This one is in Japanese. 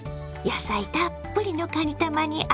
野菜たっぷりのかにたまに